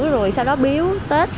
rồi sau đó biếu tết